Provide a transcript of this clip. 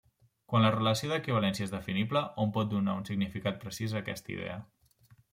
Quan la relació d'equivalència és definible, hom pot donar un significat precís a aquesta idea.